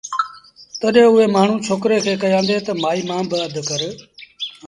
تڏهيݩ اُئي مآڻهوٚ ڇوڪري کي ڪهيآݩدي تا مآئيٚ مآݩ با اڌ ڪر